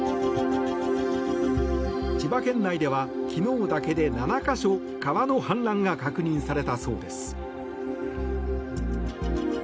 千葉県内では昨日だけで７か所川の氾濫が確認されたそうです。